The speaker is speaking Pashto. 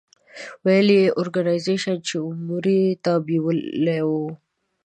ویل یې اورګنایزیش چې عمرې ته بېولې وم.